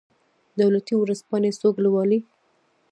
دولتي ورځپاڼې څوک لوالي؟